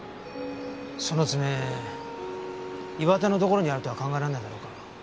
その爪岩田のところにあるとは考えられないだろうか？